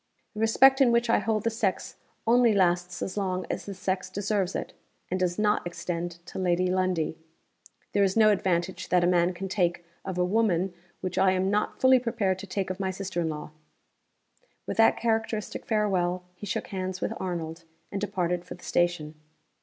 The respect in which I hold the sex only lasts as long as the sex deserves it and does not extend to Lady Lundie. There is no advantage that a man can take of a woman which I am not fully prepared to take of my sister in law." With that characteristic farewell, he shook hands with Arnold, and departed for the station.